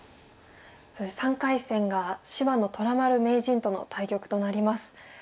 そして３回戦が芝野虎丸名人との対局となります。